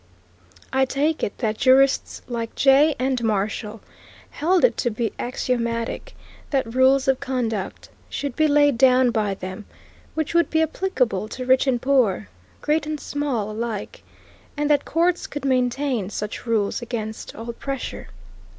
I take it that jurists like Jay and Marshall held it to be axiomatic that rules of conduct should be laid down by them which would be applicable to rich and poor, great and small, alike, and that courts could maintain such rules against all pressure.